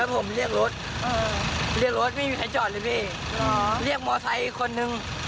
เพื่อที่จะช่วยเรียกรถอีกคันนึง